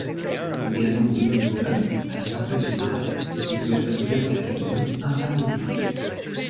Le gazon de Wimbledon, à la surprise générale, s’est vu attribuer la catégorie intermédiaire.